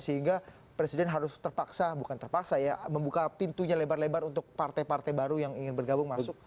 sehingga presiden harus terpaksa bukan terpaksa ya membuka pintunya lebar lebar untuk partai partai baru yang ingin bergabung masuk